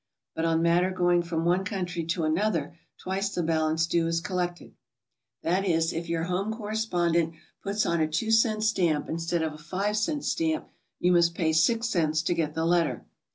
But on matter going from one country to another, twice the balance due is collected. That is, if your home correspondent puts on a 2 cent stamp instead of a 5 cent stamp, you must pay 6 cents to get the letter.